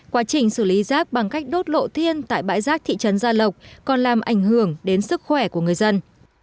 quá trình xử lý rác bằng cách đốt lộ thiên tại bãi rác thị trấn gia lộc còn làm ảnh hưởng đến sức khỏe của người dân